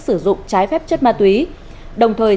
sử dụng trái phép chất ma túy đồng thời